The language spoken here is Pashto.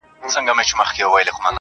خبرېږم زه راته ښېراوي كوې_